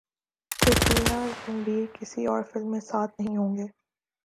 کترینہ رنبیر کسی اور فلم میں ساتھ نہیں ہوں گے